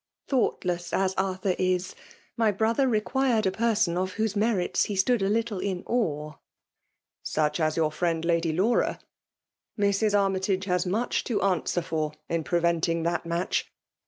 Thoughtless as Arthur is, my brother required a person of whose merits he stood a little in awe.'* *' Such as your friend Lady Laura ? Mrs. Armytage has much to answer for in prevent ing that match